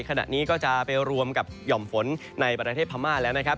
ขณะนี้ก็จะไปรวมกับหย่อมฝนในประเทศพม่าแล้วนะครับ